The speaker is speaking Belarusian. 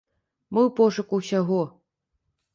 Мы ў пошуку ўсяго.